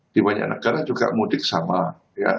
di banyak negara juga mudik sama ya